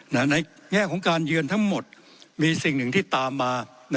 ในแง่ของการเยือนทั้งหมดมีสิ่งหนึ่งที่ตามมา